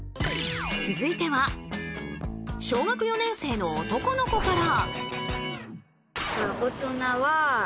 続いては小学４年生の男の子から。